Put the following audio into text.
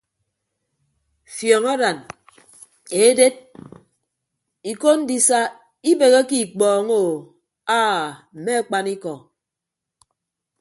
Fiọñ aran eded iko ndisa ibeheke ikpọño aa mme akpanikọ.